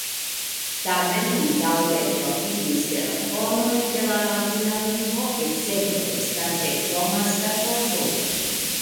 Tamen li daŭre profitis de la konoj de la latina lingvo ekzemple estante Thomas-kantoro.